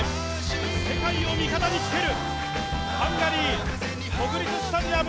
世界を味方につける、ハンガリー国立スタジアム